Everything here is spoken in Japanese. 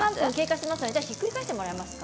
ひっくり返してもらえますか。